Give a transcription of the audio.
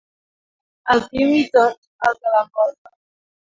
El Tim i tot el que l'envolta.